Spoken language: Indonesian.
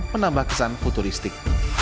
menambah kesan futuristik